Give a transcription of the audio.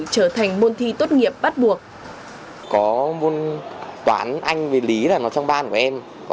trở thành môn thi tốt nghiệp bắt buộc